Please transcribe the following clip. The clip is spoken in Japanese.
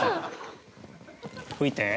吹いて。